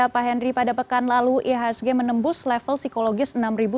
pak hendry pada pekan lalu ihsg menembus level psikologis enam sembilan ratus